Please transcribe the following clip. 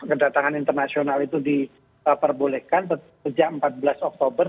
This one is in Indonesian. kedatangan internasional itu diperbolehkan sejak empat belas oktober